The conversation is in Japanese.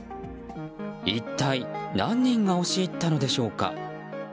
一体、何人が押し入ったのでしょうか。